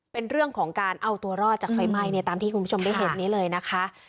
เป็นเรื่องของการเอาตัวรอดจากไฟไหม้เนี่ยตามที่คุณผู้ชมได้เห็นนี้เลยนะคะ